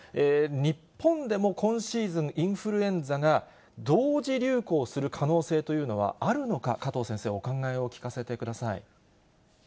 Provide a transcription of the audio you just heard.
日本でも今シーズン、インフルエンザが同時流行する可能性というのはあるのか、加藤先生、お考えを聞かせてください。